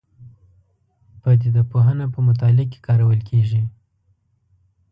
پدیده پوهنه په مطالعه کې کارول کېږي.